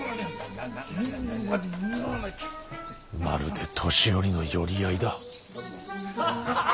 まるで年寄りの寄り合いだ。